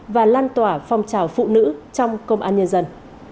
và lan tỏa phong trào phụ nữ trong công an nhân dân